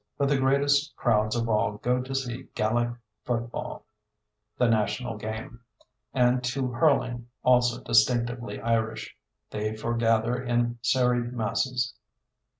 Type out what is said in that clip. But the greatest crowds of all go to see Gaelic football, the national game; and to hurling, also distinctively Irish, they foregather in serried masses.